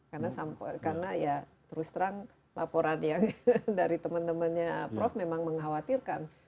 karena ya terus terang laporan yang dari temen temennya prof memang mengkhawatirkan